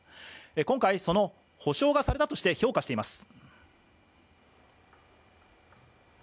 今回その保証がされたとして評価しています。